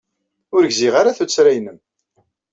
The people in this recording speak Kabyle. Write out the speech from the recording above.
Ur gziɣ ara tuttra-nnem.